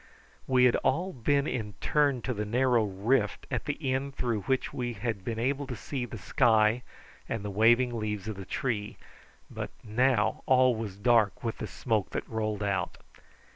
We had all been in turn to the narrow rift at the end through which we had been able to see the sky and the waving leaves of the trees, but now all was dark with the smoke that rolled out.